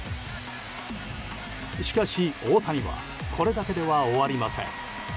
しかし、大谷はこれだけでは終わりません。